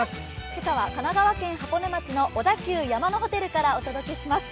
今朝は神奈川県箱根町の小田急山のホテルからお届けします。